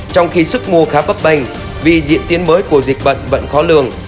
trong khi sức mua khá bấp bênh vì diện tiến mới của dịch bệnh vẫn khó lường